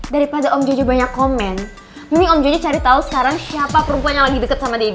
daripada om jojo banyak komen mending om jojo cari tau sekarang siapa perempuan yang lagi deket sama dedy